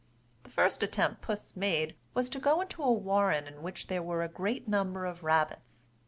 The first attempt Puss made was to go into a warren in which there were a great number of rabbits.